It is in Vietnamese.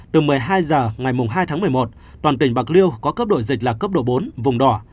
từ một mươi hai h ngày hai tháng một mươi một toàn tỉnh bạc liêu có cấp độ dịch là cấp độ bốn vùng đỏ